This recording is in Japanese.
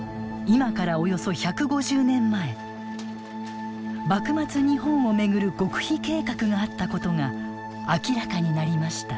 今からおよそ１５０年前幕末日本を巡る極秘計画があったことが明らかになりました。